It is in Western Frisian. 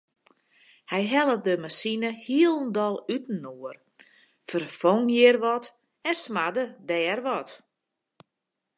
Hy helle de masine hielendal útinoar, ferfong hjir wat en smarde dêr wat.